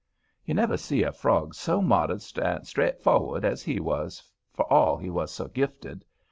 You never see a frog so modest and straightfor'ard as he was, for all he was so gifted.